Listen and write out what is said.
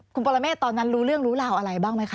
คุณปรเมฆตอนนั้นรู้เรื่องรู้ราวอะไรบ้างไหมคะ